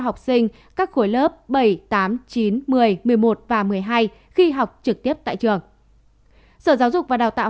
học sinh các khối lớp bảy tám chín một mươi một mươi một và một mươi hai khi học trực tiếp tại trường sở giáo dục và đào tạo